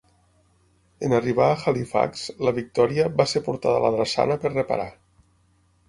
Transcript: En arribar a Halifax, la "Victoria" va ser portada a la drassana per reparar.